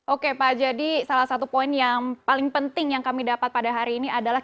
oke pak jadi salah satu poin yang paling penting yang kami dapat pada hari ini adalah